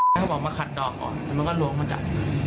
เขาบอกมาขัดดอกก่อนแล้วมันก็ลวงมาจาก